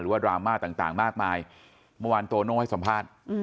ดราม่าต่างมากมายเมื่อวานโตโน่ให้สัมภาษณ์